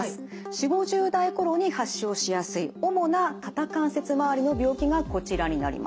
４０５０代頃に発症しやすい主な肩関節まわりの病気がこちらになります。